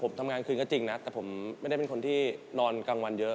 ผมทำงานคืนก็จริงนะแต่ผมไม่ได้เป็นคนที่นอนกลางวันเยอะ